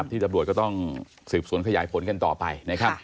ที่ดับบรวดก็ต้องสืบสวนขยายผลกันต่อไป